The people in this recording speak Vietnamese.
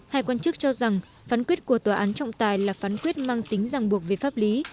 hai quan chức cho rằng phán quyết của tòa án trọng tài là phán quyết mang tính giảng buộc về pháp lý